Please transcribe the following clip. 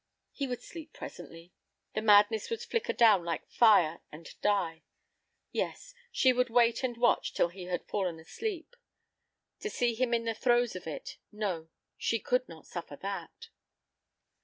He would sleep presently. The madness would flicker down like fire and die. Yes, she would wait and watch till he had fallen asleep. To see him in the throes of it, no, she could not suffer that!